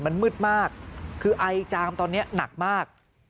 มันมืดมากคือไอจามตอนนี้หนักมาก